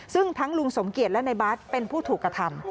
ซึ่งทั้งลุงสมเกียจและในบาทเป็นผู้ถูกกระทำ